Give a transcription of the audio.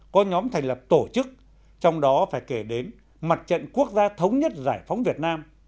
có nhóm thành lập tổ chức trong đó phải kể đến mặt trận quốc gia thống nhất giải phóng việt nam